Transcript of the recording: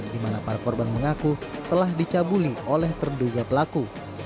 di mana para korban mengaku telah dicabuli oleh terduga pelaku